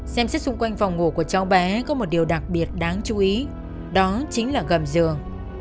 xem xét xung quanh phòng ngủ của cháu bé có một điều đặc biệt đáng chú ý đó chính là gầm giường